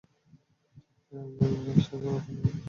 এটা একটা ranger station, এখান থেকে বেশী দূরেনা।